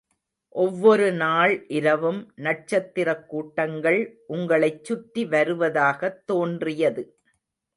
ஒவ்வொருநாள் இரவும், நட்சத்திரக் கூட்டங்கள் உங்களைச்சுற்றி வருவதாகத் தோன்றியது.